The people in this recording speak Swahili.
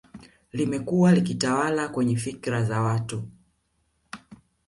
Limekua likitawala kwenye fikra za watu